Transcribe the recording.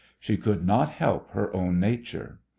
She could not help her own nature.